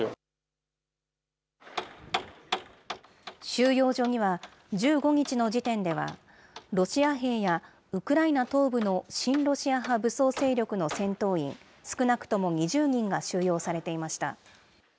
収容所には、１５日の時点では、ロシア兵や、ウクライナ東部の親ロシア派武装勢力の戦闘員、少なくとも２０人が収容されていました。